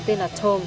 tên là tom